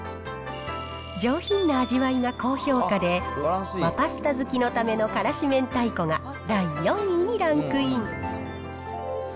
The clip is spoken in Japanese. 上品な味わいが高評価で、和パスタ好きのためのからし明太子が第４位にランクイン。